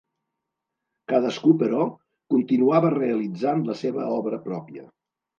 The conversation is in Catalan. Cadascú, però, continuava realitzant la seva obra pròpia.